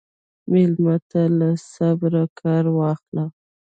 مېلمه ته له صبره کار واخله.